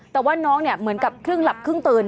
แต่ว่าน้องเนี่ยเหมือนกับครึ่งหลับครึ่งตื่น